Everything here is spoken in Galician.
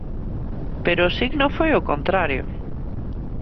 Pero o signo foi o contrario.